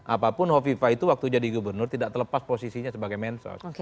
apapun hovifah itu waktu jadi gubernur tidak terlepas posisinya sebagai mensos